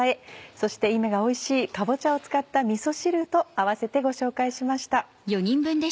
そして今がおいしいかぼちゃを使ったみそ汁と併せてご紹介しました。